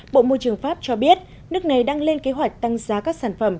bộ môi trường pháp cho biết nước này đang lên kế hoạch tăng giá các sản phẩm